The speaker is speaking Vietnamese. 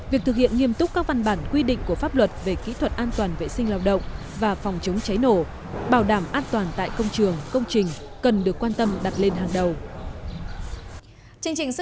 việc thực hiện nghiêm túc các văn bản quy định của pháp luật về kỹ thuật an toàn vệ sinh lao động và phòng chống cháy nổ bảo đảm an toàn tại công trường công trình cần được quan tâm đặt lên hàng đầu